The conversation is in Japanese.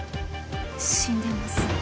死んでます。